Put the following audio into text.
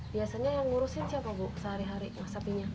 biasanya yang ngurusin siapa bu sehari hari mas sapinya